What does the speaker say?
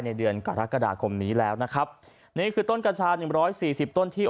ในเดือนกรกฎาคมนี้แล้วนะครับนี่คือต้นกระชา๑๔๐ต้นที่